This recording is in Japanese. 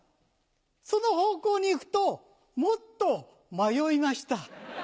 その方向に行くともっと迷いました。